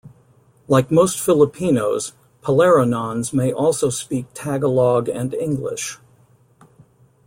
Like most Filipinos, Pilaranons may also speak Tagalog and English.